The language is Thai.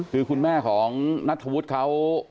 คือคุณแม่ของนัทธวุฒิเขา